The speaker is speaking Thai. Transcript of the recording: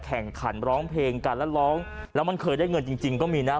แข่งขันร้องเพลงกันแล้วร้องแล้วมันเคยได้เงินจริงจริงก็มีนะ